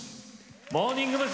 モーニング娘。